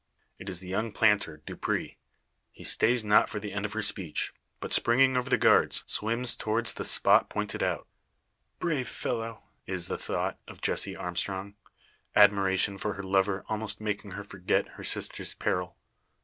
It is the young planter, Dupre. He stays not for the end of her speech, but springing over the guards, swims towards the spot pointed out. "Brave fellow!" is the thought of Jessie Armstrong, admiration for her lover almost making her forget her sister's peril.